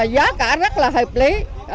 giá cả rất là hợp lý